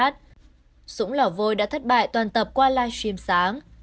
sũng lỏ vôi đã thất bại toàn tập qua live stream sáng